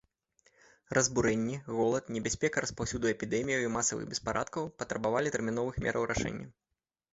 Разбурэнні, голад, небяспека распаўсюду эпідэмій і масавых беспарадкаў патрабавалі тэрміновых мер рашэння.